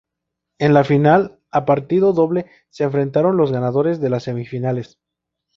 En la final a partido doble se enfrentaron los ganadores de las semifinales.